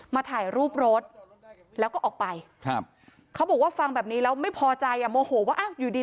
มาถ่ายรูปรถแล้วก็ออกไปเขาบอกว่าฟังแบบนี้แล้วไม่พอใจ